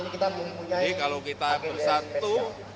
jadi kalau kita bersatu